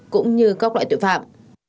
cũng như các loại tội phạm